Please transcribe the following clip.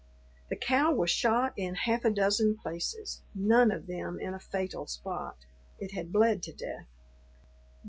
The cow was shot in half a dozen places, none of them in a fatal spot; it had bled to death.